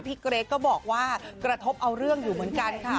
เกรทก็บอกว่ากระทบเอาเรื่องอยู่เหมือนกันค่ะ